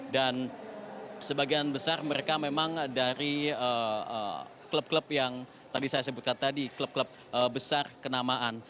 dan sebagian besar mereka memang dari klub klub yang tadi saya sebutkan tadi klub klub besar kenamaan